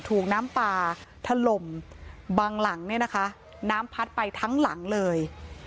ถูกน้ำป่าถล่มบางหลังเนี่ยนะคะน้ำพัดไปทั้งหลังเลย